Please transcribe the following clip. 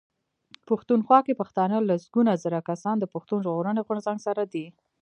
پښتونخوا کې پښتانه لسګونه زره کسان د پښتون ژغورني غورځنګ سره دي.